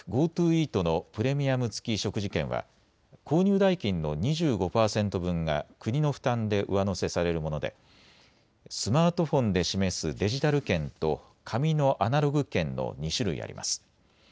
ＧｏＴｏイートのプレミアム付き食事券は購入代金の２５％分が国の負担で上乗せされるものでスマートフォンで示すデジタル券と紙のアナログ券の２種類あります。